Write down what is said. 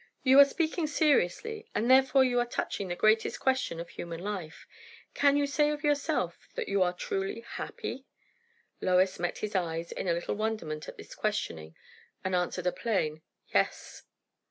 "You are speaking seriously; and therefore you are touching the greatest question of human life. Can you say of yourself that you are truly happy?" Lois met his eyes in a little wonderment at this questioning, and answered a plain "yes."